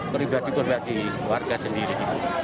jadi ini berarti warga sendiri